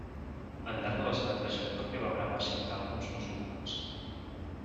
Al llarg de la seva trajectòria va gravar cinc àlbums musicals.